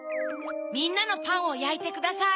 みんなのパンをやいてください。